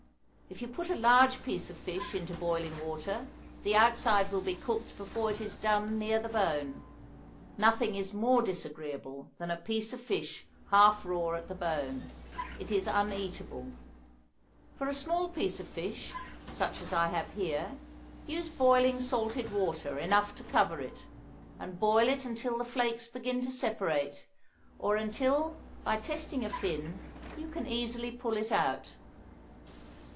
If you put a large piece of fish into boiling water, the outside will be cooked before it is done near the bone. Nothing is more disagreeable than a piece of fish half raw at the bone; it is uneatable. For a small piece of fish, such as I have here, use boiling salted water enough to cover it, and boil it until the flakes begin to separate, or until, by testing a fin, you can easily pull it out.